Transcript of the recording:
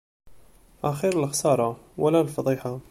Axiṛ lexsaṛa, wala lefḍiḥa.